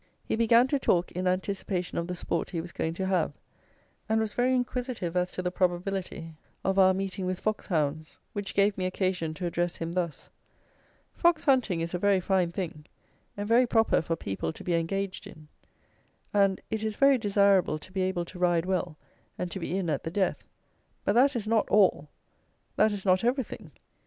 He began to talk in anticipation of the sport he was going to have, and was very inquisitive as to the probability of our meeting with fox hounds, which gave me occasion to address him thus: "Fox hunting is a very fine thing, and very proper for people to be engaged in, and it is very desirable to be able to ride well and to be in at the death; but that is not ALL; that is not everything.